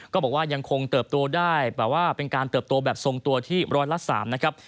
ก็บอกว่ายังคงเติบโตได้แบบว่าเป็นการเติบโตแบบทรงตัวที่ร้อยละ๓นะครับ